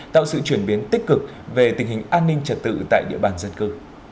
tạo sự chuyển biến tích cực về tình hình an ninh trật tự tại địa bàn dân cư